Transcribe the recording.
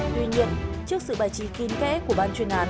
tuy nhiên trước sự bài trí kín kẽ của ban chuyên án